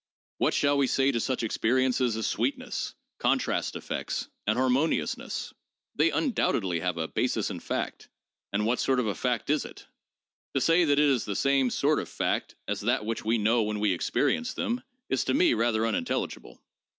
"What shall we say to such experiences as sweetness, contrast effects and harmoniousness ? They undoubtedly have a basis in fact, but what sort of a fact is it? To say that it is the same sort of fact as that which we know when we experience them is to me rather unintelligible.